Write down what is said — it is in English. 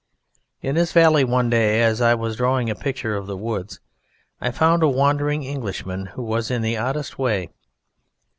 In this valley one day as I was drawing a picture of the woods I found a wandering Englishman who was in the oddest way.